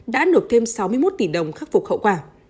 đã nộp thêm sáu mươi một tỷ đồng khắc phục khẩu quả